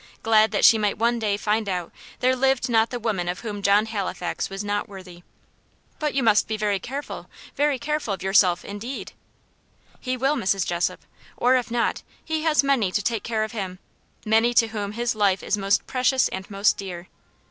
Glad that she might one day find out there lived not the woman of whom John Halifax was not worthy. "But you must be very careful very careful of yourself, indeed." "He will, Mrs. Jessop. Or, if not, he has many to take care of him. Many to whom his life is most precious and most dear."